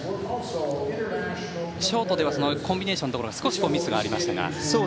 ショートではコンビネーションのところで少しミスがありましたが。